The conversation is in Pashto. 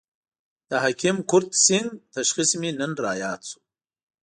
د حکیم کرت سېنګ تشخیص مې نن را ياد شو.